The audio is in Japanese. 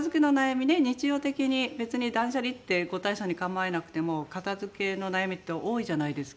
日常的に別に断捨離ってご大層に構えなくても片付けの悩みって多いじゃないですか。